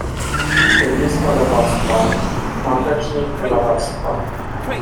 Siedlisko lewactwa. Matecznik prawactwa.